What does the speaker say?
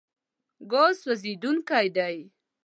ګاز سوځېدونکی دی.